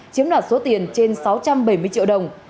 chiếm đoạt số tiền trên sáu trăm bảy mươi triệu đồng